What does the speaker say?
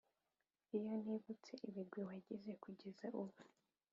Iyo nibutse ibigwi wagize kugeza ubu,